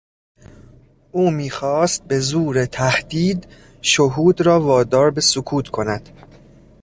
او میخواست به زور تهدید شهود را وادار به سکوت کند.